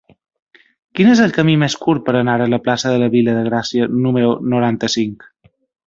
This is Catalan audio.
Quin és el camí més curt per anar a la plaça de la Vila de Gràcia número noranta-cinc?